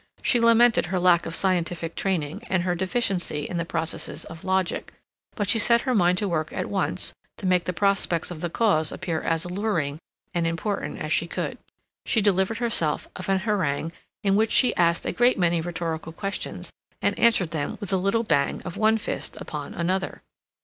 She lamented her lack of scientific training, and her deficiency in the processes of logic, but she set her mind to work at once to make the prospects of the cause appear as alluring and important as she could. She delivered herself of an harangue in which she asked a great many rhetorical questions and answered them with a little bang of one fist upon another.